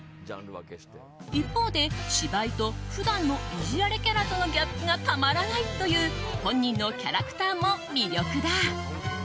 一方で、芝居と普段のイジられキャラとのギャップがたまらないという本人のキャラクターも魅力だ。